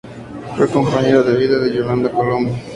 Fue compañero de vida de Yolanda Colom.